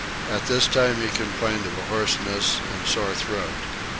At this time he complained of a hoarseness and sore throat.